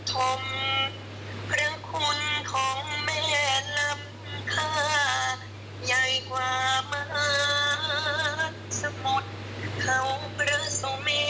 ใหญ่กว่ามาสมุดเข้าประสมมติ